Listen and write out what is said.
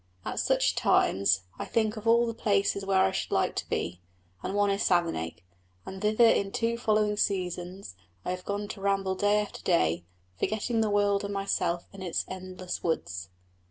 At such times I think of all the places where I should like to be, and one is Savernake; and thither in two following seasons I have gone to ramble day after day, forgetting the world and myself in its endless woods.